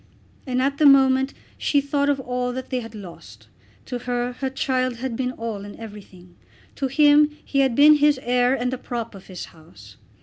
And at the moment she thought of all that they had lost. To her her child had been all and everything. To him he had been his heir and the prop of his house.